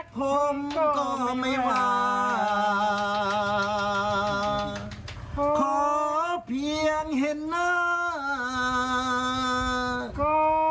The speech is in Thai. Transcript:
เพื่องเห็นนะก็